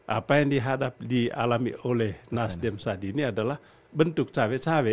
apa yang dihadapi dialami oleh nasdem saat ini adalah bentuk cewek cewek